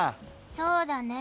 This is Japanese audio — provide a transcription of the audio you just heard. そうだね。